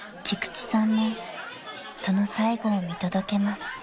菊池さんもその最後を見届けます］